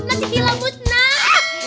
masih dilebus nah